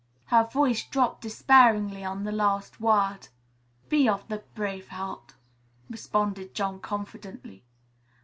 Her voice dropped despairingly on the last word. "Be of the brav' heart," responded Jean confidently.